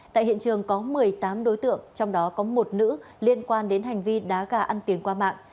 tại hiện trường có một mươi tám đối tượng trong đó có một nữ liên quan đến hành vi đá gà ăn tiền qua mạng